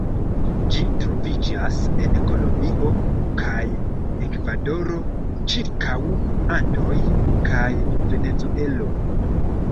Ĝi troviĝas en Kolombio kaj Ekvadoro ĉirkaŭ Andoj kaj Venezuelo.